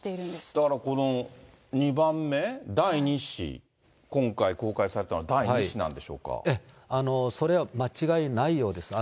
だから、この２番目、第２子、今回、公開されたのは第２子なんそれは間違いないようです。